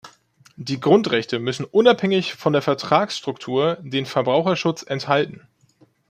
Die Grundrechte müssen unabhängig von der Vertragsstruktur den Verbraucherschutz enthalten.